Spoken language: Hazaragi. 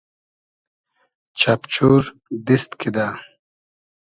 چئپچور دیست کیدۂ